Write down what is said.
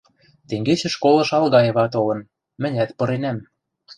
— Тенгечӹ школыш Алгаева толын, мӹнят пыренӓм.